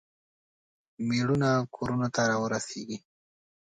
میړونه کورونو ته راورسیږي.